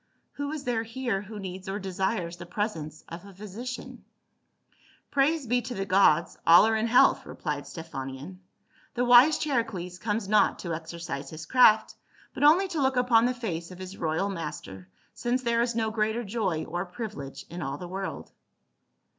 " Who is there here who needs or desires the pres ence of a physician ?"" Praise be to the gods, all are in health," replied Stephanion. "The wise Charicles comes not to exer cise his craft, but only to look upon the face of his royal master, since there is no greater joy or privi lege in all the world."